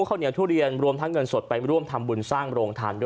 ข้าวเหนียวทุเรียนรวมทั้งเงินสดไปร่วมทำบุญสร้างโรงทานด้วย